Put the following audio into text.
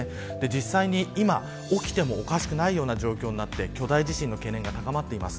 実際に今起きてもおかしくないような状況になって巨大地震への懸念が高まっています。